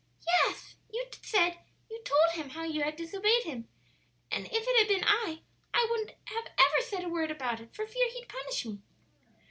"Yes; you said you told him how you had disobeyed him; and If it had been I, I wouldn't have ever said a word about it for fear he'd punish me."